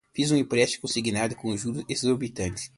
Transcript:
Fiz um empréstimo consignado com juros exorbitantes